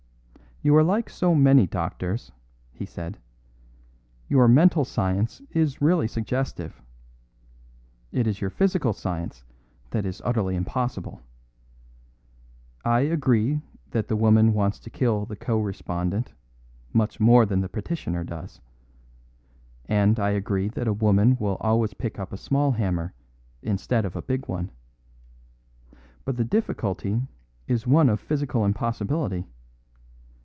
"You are like so many doctors," he said; "your mental science is really suggestive. It is your physical science that is utterly impossible. I agree that the woman wants to kill the co respondent much more than the petitioner does. And I agree that a woman will always pick up a small hammer instead of a big one. But the difficulty is one of physical impossibility.